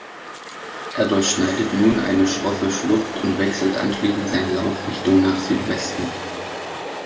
Er durchschneidet nun eine schroffe Schlucht und wechselt anschließend seine Laufrichtung nach Südwesten.